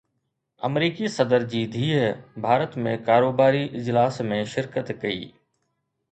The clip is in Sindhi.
آمريڪي صدر جي ڌيءَ ڀارت ۾ ڪاروباري اجلاس ۾ شرڪت ڪئي